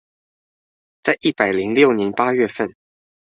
在一百零六年八月份